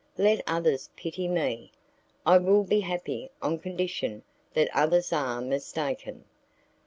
Let others pity me, I will be happy on condition that others are mistaken."